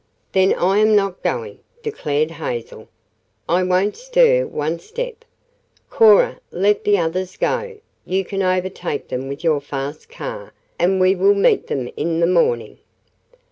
"Then I am not going," declared Hazel. "I won't stir one step. Cora, let the others go; you can overtake them with your fast car, and we will meet them in the morning."